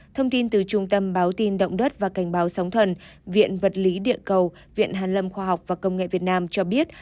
thông tin từ trung tâm báo tin động đất và cảnh báo sóng thần viện vật lý địa cầu viện hàn lâm khoa học và công nghệ việt nam cho biết